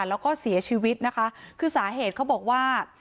แล้วก็เสียชีวิตนะคะคือสาเหตุเขาบอกว่า